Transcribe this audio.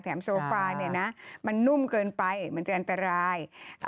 แถมโซฟามันนุ่มเกินไปมันจะอันตราย